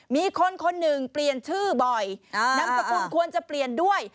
มีคนคนหนึ่งเปลี่ยนชื่อบ่อยนามสกุลควรจะเปลี่ยนด้วย